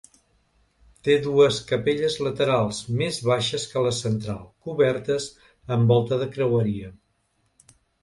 Té dues capelles laterals més baixes que la central, cobertes amb volta de creueria.